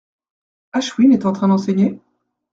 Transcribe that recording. Ashwin est en train d’enseigner ?